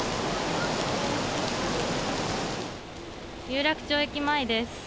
有楽町駅前です。